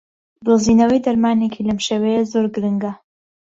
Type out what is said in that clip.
دۆزینەوەی دەرمانێکی لەم شێوەیە زۆر گرنگە